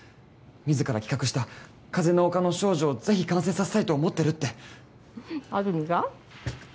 自ら企画した「風の丘の少女」をぜひ完成させたいと思ってるって安住が？